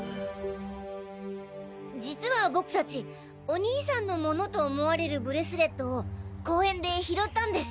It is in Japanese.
実は僕たちお兄さんのモノと思われるブレスレットを公園で拾ったんです。